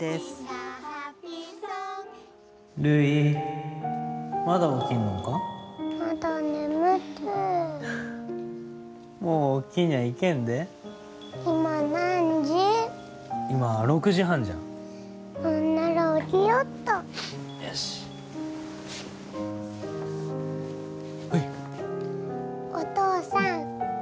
お父さん。